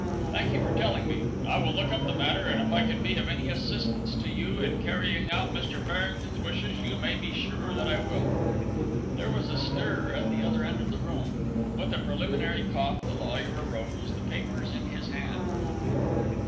Thank you for telling me; I will look up the matter, and if I can be of any assistance to you in carrying out Mr. Farrington's wishes you may be sure that I will." There was a stir at the other end of the room. With a preliminary cough, the lawyer rose, the papers in his hand.